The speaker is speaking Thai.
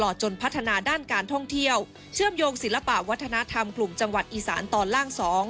จนพัฒนาด้านการท่องเที่ยวเชื่อมโยงศิลปะวัฒนธรรมกลุ่มจังหวัดอีสานตอนล่าง๒